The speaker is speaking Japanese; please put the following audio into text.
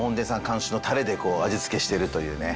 監修のたれで味付けしてるというね。